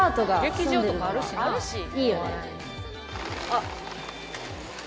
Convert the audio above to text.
「あっ」